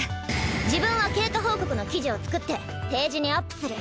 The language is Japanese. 自分は経過報告の記事を作ってページにアップする。